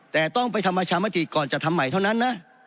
แต่ต้องไปทำประชามติก่อนจะทำใหม่เท่านั้นนะ